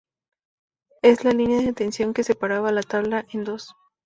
Es la línea de tensión que separa la tabla en dos.